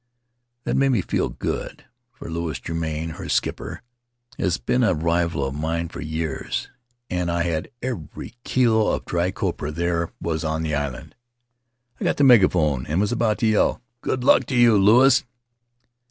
That made me feel good, for Louis Germaine, her skipper, has been a rival of mine for years, and I had every kilo of dry copra there was on the island. I got the megaphone and was about to yell, 'Good luck to you, Louis!'